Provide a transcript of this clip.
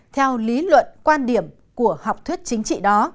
theo lý luận quan trọng